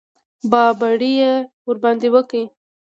بابېړي یې ورباندې وکړ.